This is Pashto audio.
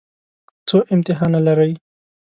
څو امتحانه لرئ؟